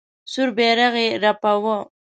سور بیرغ یې رپاوه.